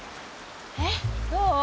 えっどう？